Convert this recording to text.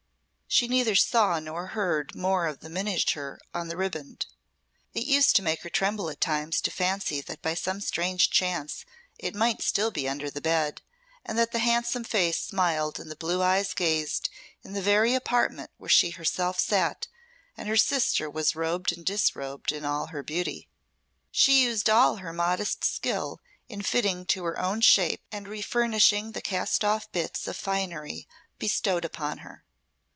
She neither saw nor heard more of the miniature on the riband. It used to make her tremble at times to fancy that by some strange chance it might still be under the bed, and that the handsome face smiled and the blue eyes gazed in the very apartment where she herself sat and her sister was robed and disrobed in all her beauty. She used all her modest skill in fitting to her own shape and refurnishing the cast off bits of finery bestowed upon her.